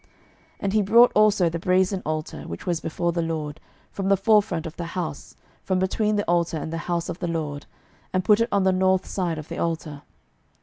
12:016:014 And he brought also the brasen altar, which was before the LORD, from the forefront of the house, from between the altar and the house of the LORD, and put it on the north side of the altar.